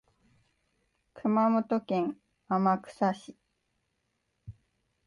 熊本県天草市